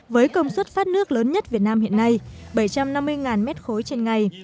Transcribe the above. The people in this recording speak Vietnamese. với công suất phát nước lớn nhất việt nam hiện nay bảy trăm năm mươi m ba trên ngày